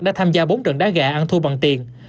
đã tham gia bốn trận đá gà ăn thua bằng tiền